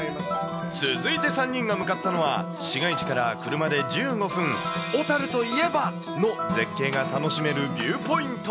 続いて３人が向かったのは、市街地から車で１５分、小樽といえばの絶景が楽しめるビューポイント。